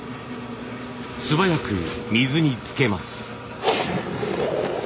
素早く水につけます。